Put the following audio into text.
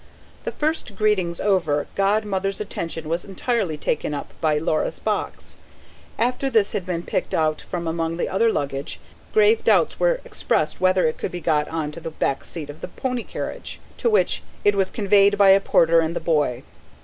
The first greetings over, Godmother's attention was entirely taken up by Laura's box: after this had been picked out from among the other luggage, grave doubts were expressed whether it could be got on to the back seat of the pony carriage, to which it was conveyed by a porter and the boy.